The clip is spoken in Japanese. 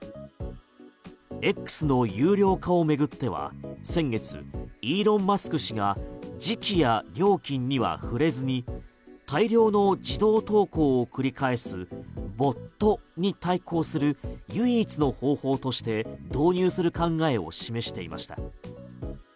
Ｘの有料化を巡っては先月イーロン・マスク氏が時期や料金には触れずに大量の自動投稿を繰り返すボットに対抗する唯一の方法として導入する考えを示していました。